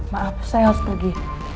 maaf saya harus pergi